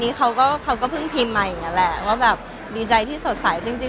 ใช่ค่ะวันนี้เขาก็พึ่งพิมพ์มายังไงแหละว่าแบบดีใจที่สดใส